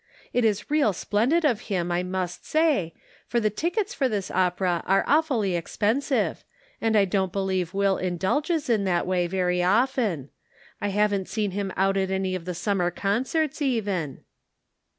It is real splendid of him, I must say, for the tickets for this opera are awfully expensive ; and I don't believe Will indulges in that way very often ; I haven't seen him out at any of the summer concerts even."